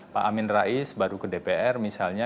pak amin rais baru ke dpr misalnya